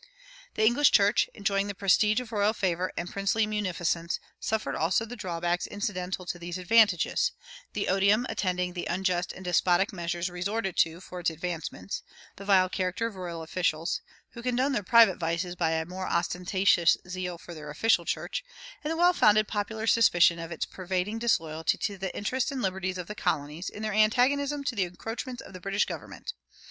The English church, enjoying "the prestige of royal favor and princely munificence," suffered also the drawbacks incidental to these advantages the odium attending the unjust and despotic measures resorted to for its advancement, the vile character of royal officials, who condoned their private vices by a more ostentatious zeal for their official church, and the well founded popular suspicion of its pervading disloyalty to the interests and the liberties of the colonies in their antagonism to the encroachments of the British government.